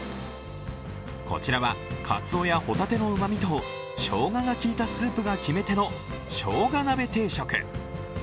こちらは、かつおやホタテの旨みとしょうががきいたスープが決め手のしょうが鍋定食。